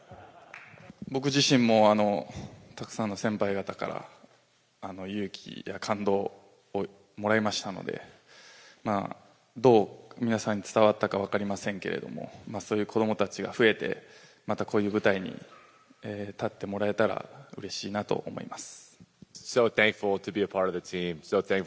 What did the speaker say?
僕自身もたくさんの先輩方から、勇気や感動をもらいましたので、どう皆さんに伝わったか分かりませんけれども、そういう子どもたちが増えて、またこういう舞台に立ってもらえたらうれしいなと思います。